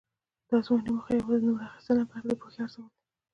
د ازموینو موخه یوازې نومره اخیستل نه بلکې د پوهې ارزول دي.